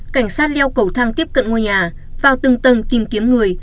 cảnh sát leo cầu thang tiếp cận ngôi nhà vào từng tầng tìm kiếm người